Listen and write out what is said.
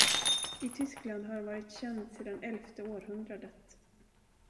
I Tyskland har han varit känd sedan elfte århundradet.